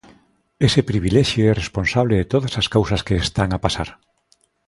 Ese privilexio é responsable de todas as cousas que están a pasar.